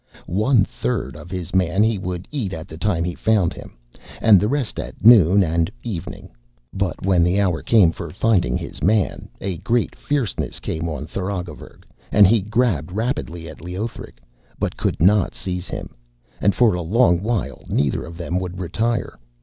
One third of his man he would eat at the time he found him, and the rest at noon and evening. But when the hour came for finding his man a great fierceness came on Tharagavverug, and he grabbed rapidly at Leothric, but could not seize him, and for a long while neither of them would retire.